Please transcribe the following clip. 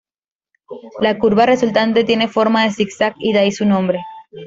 La curva resultante tiene forma de zig-zag, y de ahí su nombre.